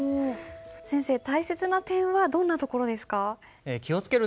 先生大切な点はどんなところですか？